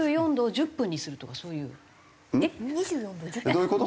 どういう事？